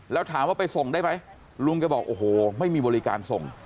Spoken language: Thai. แล้วถามว่าไปส่งได้ไหมลุงแกบอกโอ้โหไม่มีบริการส่ง